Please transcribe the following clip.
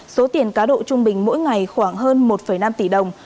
số tiền cá độ trung bình mỗi ngày khoảng hơn một năm tỷ đồng